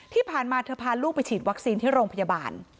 ที่ผ่านมาเธอพาลูกไปฉีดวัคซีนที่โรงพยาบาล